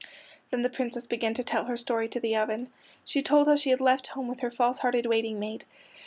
Then the Princess began to tell her story to the oven. She told how she had left home with her false hearted waiting maid.